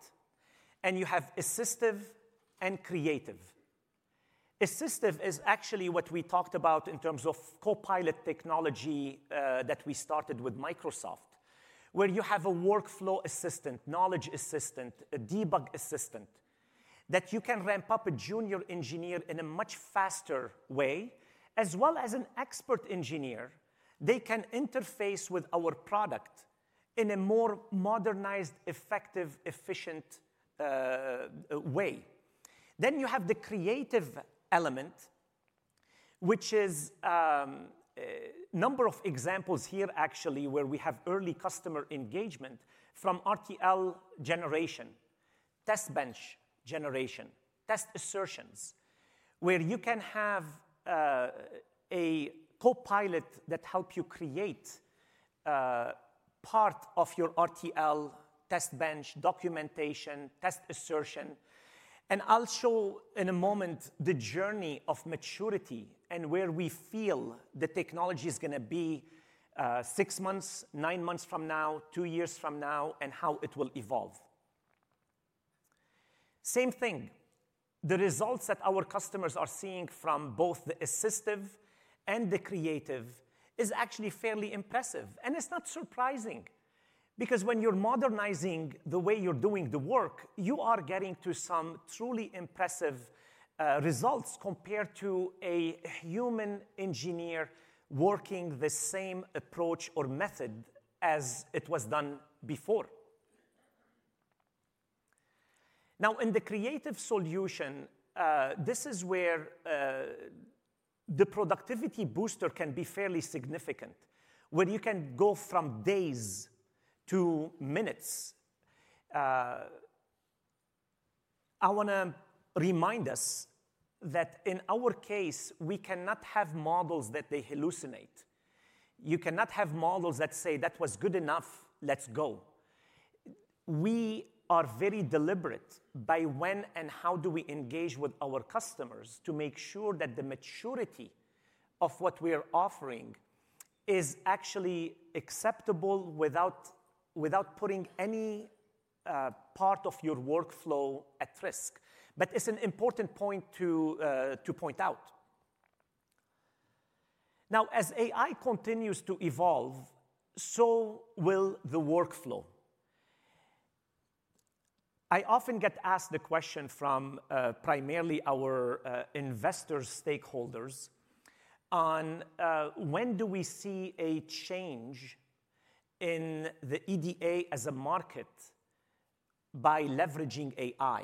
Speaker 1: and you have assistive and creative. Assistive is actually what we talked about in terms of copilot technology that we started with Microsoft, where you have a workflow assistant, knowledge assistant, a debug assistant that you can ramp up a junior engineer in a much faster way, as well as an expert engineer. They can interface with our product in a more modernized, effective, efficient way. You have the creative element, which is a number of examples here actually where we have early customer engagement from RTL generation, test bench generation, test assertions, where you can have a copilot that helps you create part of your RTL test bench documentation, test assertion. I'll show in a moment the journey of maturity and where we feel the technology is going to be six months, nine months from now, two years from now, and how it will evolve. Same thing. The results that our customers are seeing from both the assistive and the creative is actually fairly impressive. It's not surprising because when you're modernizing the way you're doing the work, you are getting to some truly impressive results compared to a human engineer working the same approach or method as it was done before. Now, in the creative solution, this is where the productivity booster can be fairly significant, where you can go from days to minutes. I want to remind us that in our case, we cannot have models that they hallucinate. You cannot have models that say, "That was good enough. Let's go." We are very deliberate by when and how do we engage with our customers to make sure that the maturity of what we are offering is actually acceptable without putting any part of your workflow at risk. It is an important point to point out. Now, as AI continues to evolve, so will the workflow. I often get asked the question from primarily our investor stakeholders on when do we see a change in the EDA as a market by leveraging AI.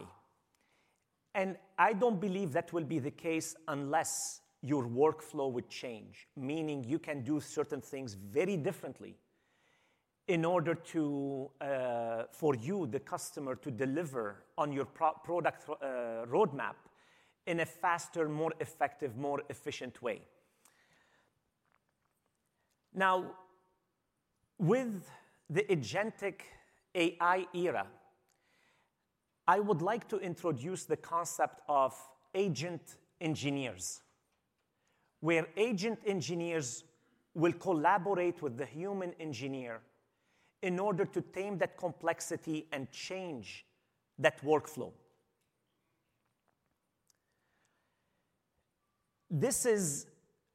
Speaker 1: I do not believe that will be the case unless your workflow would change, meaning you can do certain things very differently in order for you, the customer, to deliver on your product roadmap in a faster, more effective, more efficient way. Now, with the agentic AI era, I would like to introduce the concept of agent engineers, where agent engineers will collaborate with the human engineer in order to tame that complexity and change that workflow. This is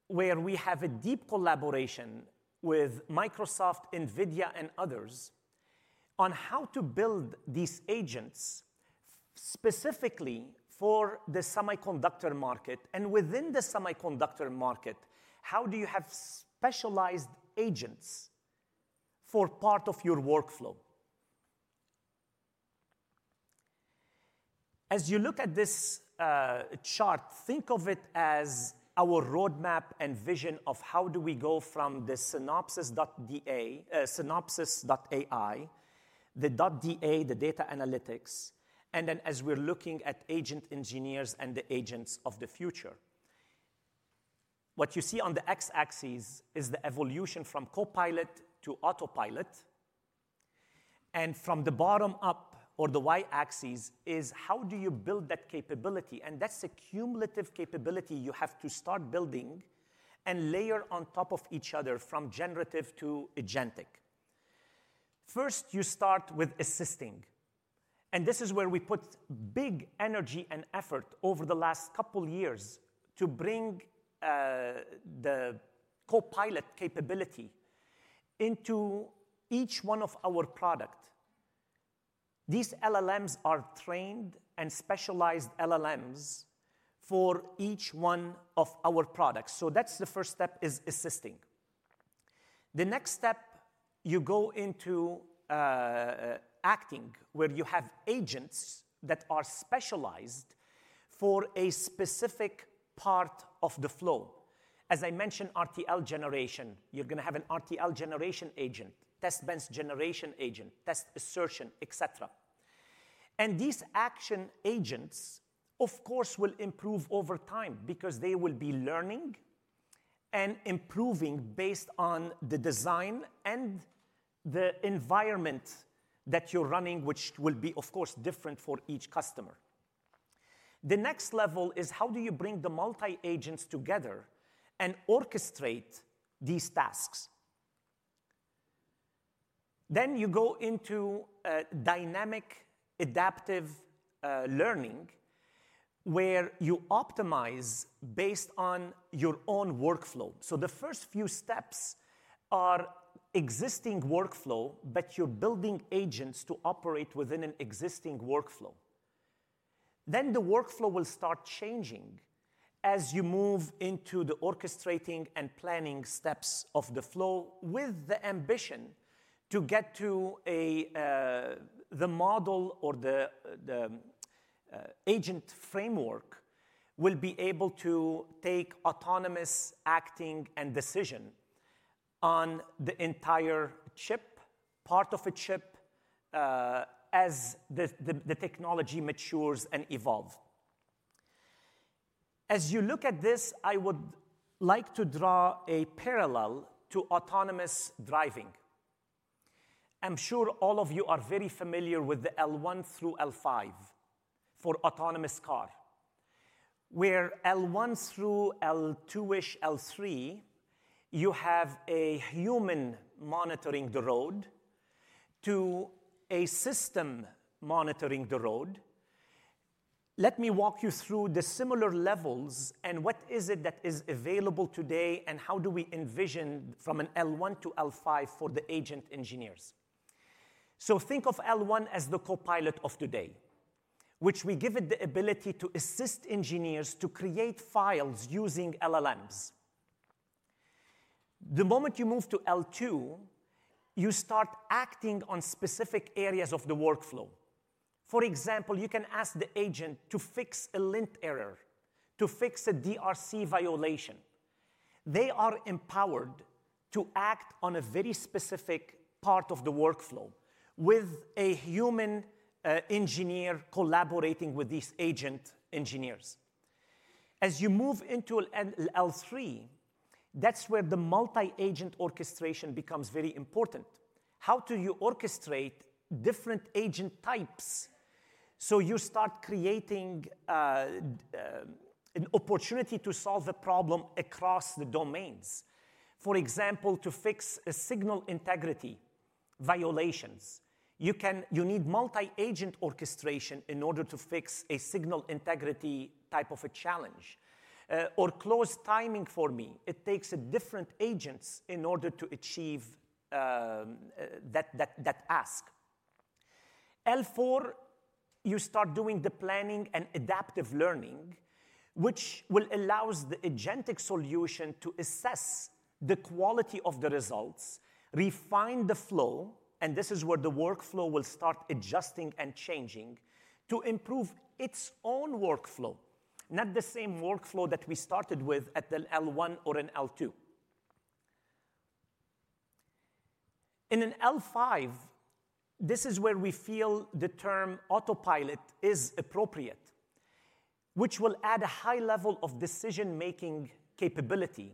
Speaker 1: where we have a deep collaboration with Microsoft, NVIDIA, and others on how to build these agents specifically for the semiconductor market. Within the semiconductor market, how do you have specialized agents for part of your workflow? As you look at this chart, think of it as our roadmap and vision of how do we go from the Synopsys.ai, the data analytics, and then as we're looking at agent engineers and the agents of the future. What you see on the x-axis is the evolution from copilot to autopilot. From the bottom up or the y-axis is how do you build that capability. That's a cumulative capability you have to start building and layer on top of each other from generative to agentic. First, you start with assisting. This is where we put big energy and effort over the last couple of years to bring the Copilot capability into each one of our products. These LLMs are trained and specialized LLMs for each one of our products. The first step is assisting. The next step, you go into acting where you have agents that are specialized for a specific part of the flow. As I mentioned, RTL generation, you're going to have an RTL generation agent, test bench generation agent, test assertion, etc. These action agents, of course, will improve over time because they will be learning and improving based on the design and the environment that you're running, which will be, of course, different for each customer. The next level is how do you bring the multi-agents together and orchestrate these tasks. You go into dynamic adaptive learning where you optimize based on your own workflow. The first few steps are existing workflow, but you're building agents to operate within an existing workflow. The workflow will start changing as you move into the orchestrating and planning steps of the flow with the ambition to get to the model or the agent framework will be able to take autonomous acting and decision on the entire chip, part of a chip as the technology matures and evolves. As you look at this, I would like to draw a parallel to autonomous driving. I'm sure all of you are very familiar with the L1 through L5 for autonomous car, where L1 through L2-ish, L3, you have a human monitoring the road to a system monitoring the road. Let me walk you through the similar levels and what is it that is available today and how do we envision from an L1 to L5 for the agent engineers. Think of L1 as the Copilot of today, which we give it the ability to assist engineers to create files using LLMs. The moment you move to L2, you start acting on specific areas of the workflow. For example, you can ask the agent to fix a lint error, to fix a DRC violation. They are empowered to act on a very specific part of the workflow with a human engineer collaborating with these agent engineers. As you move into L3, that is where the multi-agent orchestration becomes very important. How do you orchestrate different agent types? You start creating an opportunity to solve a problem across the domains. For example, to fix a signal integrity violations, you need multi-agent orchestration in order to fix a signal integrity type of a challenge or close timing for me. It takes different agents in order to achieve that ask. L4, you start doing the planning and adaptive learning, which will allow the agentic solution to assess the quality of the results, refine the flow, and this is where the workflow will start adjusting and changing to improve its own workflow, not the same workflow that we started with at the L1 or in L2. In an L5, this is where we feel the term autopilot is appropriate, which will add a high level of decision-making capability.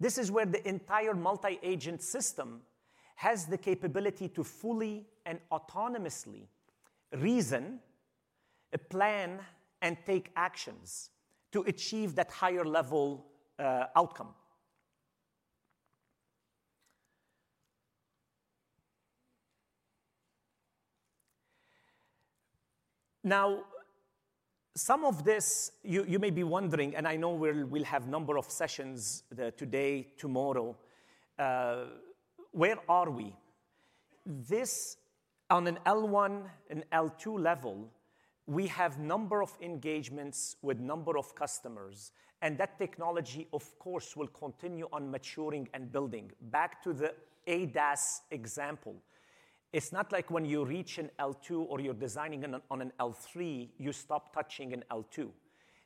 Speaker 1: This is where the entire multi-agent system has the capability to fully and autonomously reason a plan and take actions to achieve that higher-level outcome. Now, some of this, you may be wondering, and I know we'll have a number of sessions today, tomorrow. Where are we? This on an L1 and L2 level, we have a number of engagements with a number of customers. And that technology, of course, will continue on maturing and building. Back to the ADAS example. It's not like when you reach an L2 or you're designing on an L3, you stop touching an L2.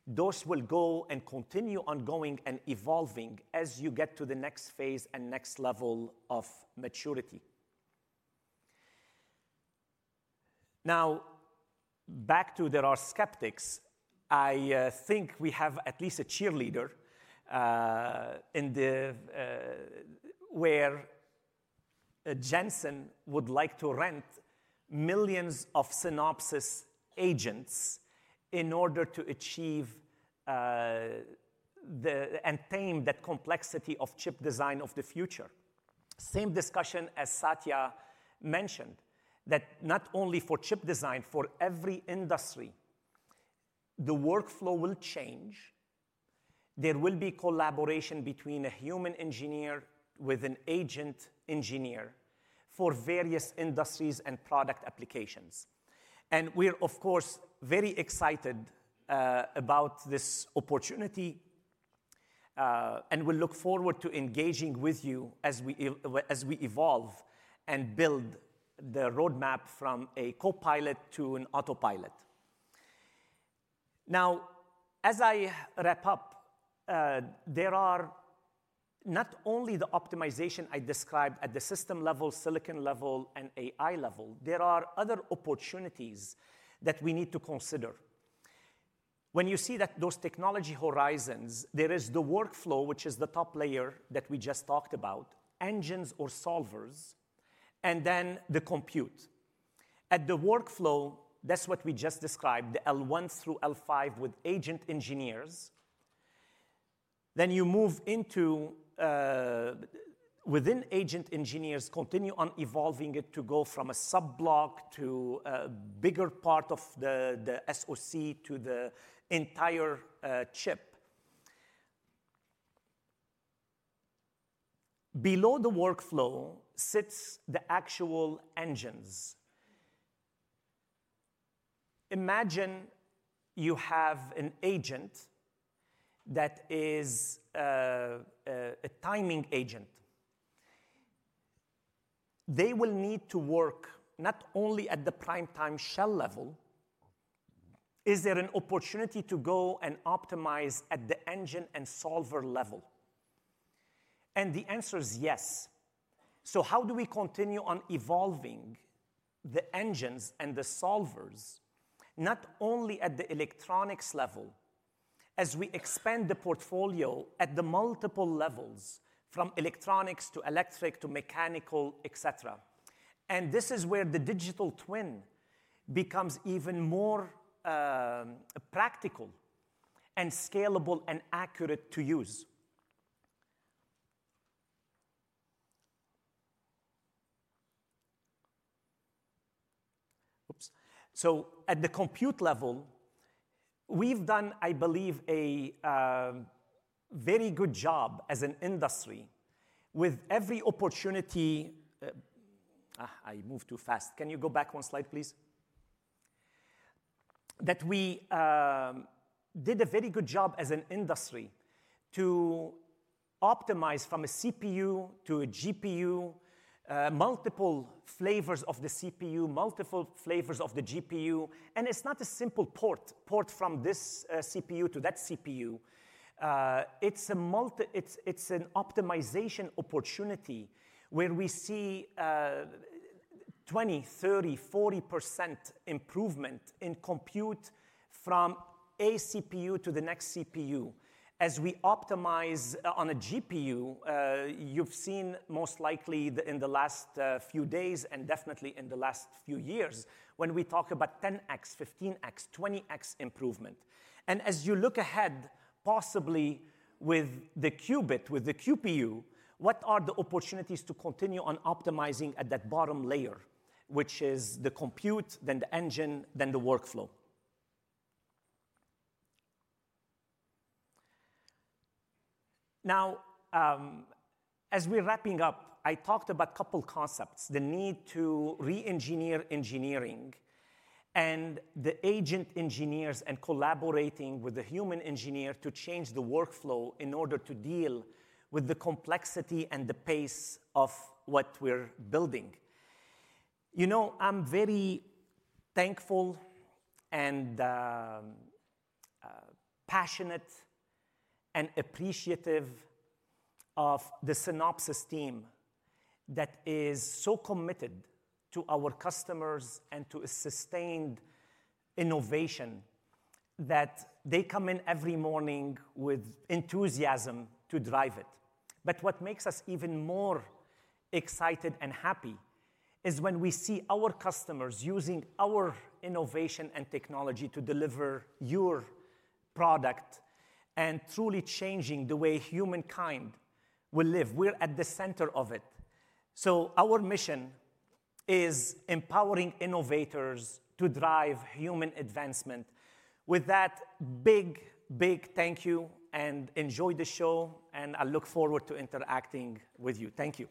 Speaker 1: Those will go and continue on going and evolving as you get to the next phase and next level of maturity. Now, back to there are skeptics. I think we have at least a cheerleader where Jensen would like to rent millions of Synopsys agents in order to achieve and tame that complexity of chip design of the future. Same discussion as Satya mentioned that not only for chip design, for every industry, the workflow will change. There will be collaboration between a human engineer with an agent engineer for various industries and product applications. We are, of course, very excited about this opportunity and will look forward to engaging with you as we evolve and build the roadmap from a copilot to an autopilot. Now, as I wrap up, there are not only the optimization I described at the system level, silicon level, and AI level. There are other opportunities that we need to consider. When you see those technology horizons, there is the workflow, which is the top layer that we just talked about, engines or solvers, and then the compute. At the workflow, that is what we just described, the L1 through L5 with agent engineers. You move into within agent engineers, continue on evolving it to go from a sub-block to a bigger part of the SoC to the entire chip. Below the workflow sits the actual engines. Imagine you have an agent that is a timing agent. They will need to work not only at the PrimeTime shell level. Is there an opportunity to go and optimize at the engine and solver level? The answer is yes. How do we continue on evolving the engines and the solvers, not only at the electronics level, as we expand the portfolio at the multiple levels from electronics to electric to mechanical, etc.? This is where the digital twin becomes even more practical and scalable and accurate to use. Oops. At the compute level, we've done, I believe, a very good job as an industry with every opportunity. I moved too fast. Can you go back one slide, please? That we did a very good job as an industry to optimize from a CPU to a GPU, multiple flavors of the CPU, multiple flavors of the GPU. It is not a simple port, port from this CPU to that CPU. It is an optimization opportunity where we see 20%, 30%, 40% improvement in compute from a CPU to the next CPU. As we optimize on a GPU, you have seen most likely in the last few days and definitely in the last few years when we talk about 10x, 15x, 20x improvement. As you look ahead, possibly with the qubit, with the QPU, what are the opportunities to continue on optimizing at that bottom layer, which is the compute, then the engine, then the workflow? Now, as we're wrapping up, I talked about a couple of concepts, the need to re-engineer engineering and the agent engineers and collaborating with the human engineer to change the workflow in order to deal with the complexity and the pace of what we're building. I'm very thankful and passionate and appreciative of the Synopsys team that is so committed to our customers and to sustained innovation that they come in every morning with enthusiasm to drive it. What makes us even more excited and happy is when we see our customers using our innovation and technology to deliver your product and truly changing the way humankind will live. We're at the center of it. Our mission is empowering innovators to drive human advancement. With that, big, big thank you and enjoy the show, and I look forward to interacting with you. Thank you.